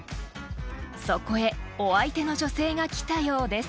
［そこへお相手の女性が来たようです］